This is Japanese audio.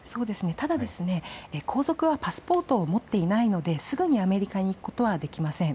ただ皇族はパスポートを持っていないのですぐにアメリカに行くことはできません。